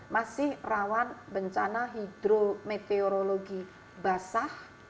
masih rawan bencana hidrometeorologi basah